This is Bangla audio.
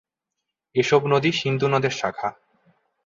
এসব নদী সিন্ধু নদের শাখা।